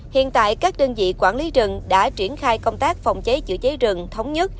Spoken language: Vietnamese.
hiện tại các đơn vị quản lý rừng đã triển khai công tác phòng cháy chữa cháy rừng thống nhất